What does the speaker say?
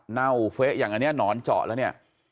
เน่าเฟะอย่างอันนี้หนอนเจาะแล้วเนี่ย